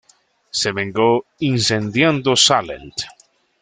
Se vengó incendiando Sallent.